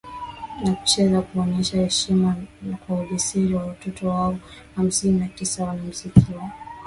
na kucheza kuonyesha heshima kwa ujasiri wa watoto wao hamsini na tisa Wanamuziki wa